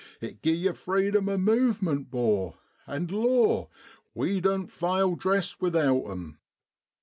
It gi'e yer freedom o' movement, 'bor, and law ! we doan't fale dressed without 'em.'